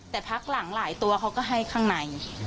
แต่พักหลังหลายตัวเขาก็ให้ข้างใน